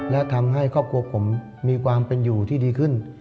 และทำให้ครอบครัวผมมีความเป็นอยู่ที่ดีขึ้น